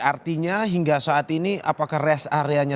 artinya hingga saat ini apakah rest area delapan puluh enam b